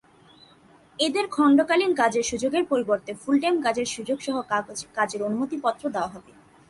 এঁদের খণ্ডকালীন কাজের সুযোগের পরিবর্তে ফুলটাইম কাজের সুযোগসহ কাজের অনুমতিপত্র দেওয়া হবে।